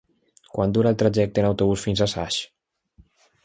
Quant dura el trajecte en autobús fins a Saix?